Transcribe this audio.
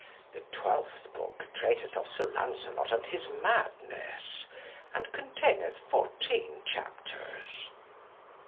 The twelfth book treateth of Sir Lancelot and his madness, and containeth 14 chapters.